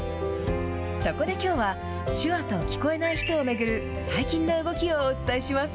そこできょうは、手話と聞こえない人を巡る最近の動きをお伝えします。